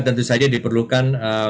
tentu saja diperlukan